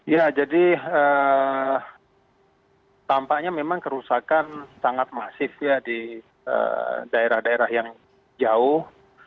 ya jadi tampaknya memang kerusakan sangat masif ya di daerah daerah yang jauh